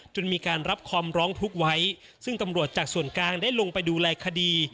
มีการรับคำร้องทุกข์ไว้ซึ่งตำรวจจากส่วนกลางได้ลงไปดูแลคดี